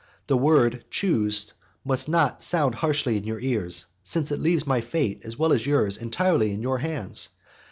The word choose must not sound harshly in your ears, since it leaves my fate as well as yours entirely in your hands.